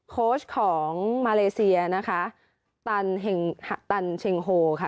โค้ชของมาเลเซียนะคะตันตันเชงโฮค่ะ